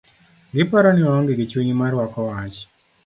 Giparo ni waonge gi chuny marwako wach.